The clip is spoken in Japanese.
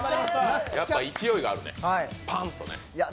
やっぱ勢いがあるね、パンとね。